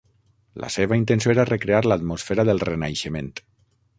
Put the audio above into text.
La seva intenció era recrear l'atmosfera del Renaixement.